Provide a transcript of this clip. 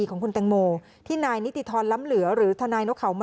โอเคครับก็ได้มารายเลยครับ